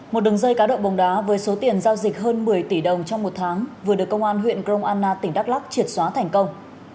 một đường dây cá độ bóng đá với số tiền giao dịch hơn một mươi tỷ đồng trong một tháng vừa được công an huyện grong anna tỉnh đắk lắc triệt xóa thành công